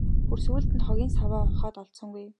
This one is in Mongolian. Бүр сүүлд нь хогийн саваа ухаад олсонгүй.